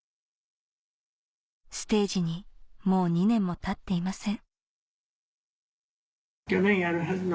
ステージにもう２年も立っていません・